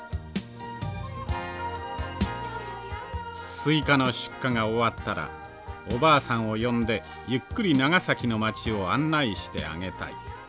スイカの出荷が終わったらおばあさんを呼んでゆっくり長崎の街を案内してあげたい。